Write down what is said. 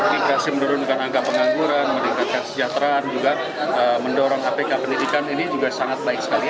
imigrasi menurunkan angka pengangguran meningkatkan kesejahteraan juga mendorong apk pendidikan ini juga sangat baik sekali